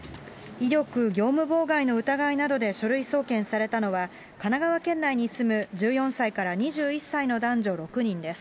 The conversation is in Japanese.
威力業務妨害の疑いなどで書類送検されたのは、神奈川県内に住む１４歳から２１歳の男女６人です。